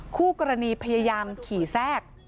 คู่กรณีพยายามขี่แทรก